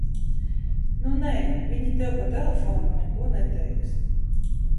Nu nē, viņi tev pa telefonu neko neteiks.